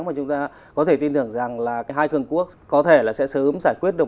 mà chúng ta có thể tin tưởng rằng là hai cường quốc có thể là sẽ sớm giải quyết được